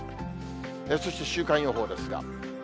そして週間予報ですが。